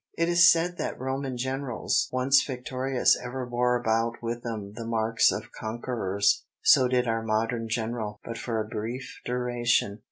It is said that Roman generals, once victorious ever bore about with them the marks of conquerors; so did our modern general, but for a brief duration.